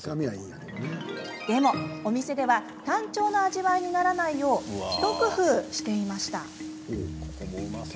でもお店では単調な味わいにならないよう一工夫していました。